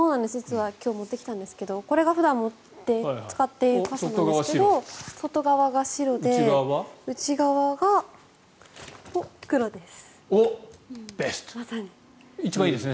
今日、実は持ってきたんですけどこれが普段、使っている傘なんですが外側が白で、内側が黒です。